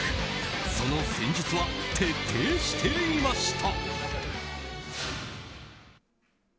その戦術は徹底していました。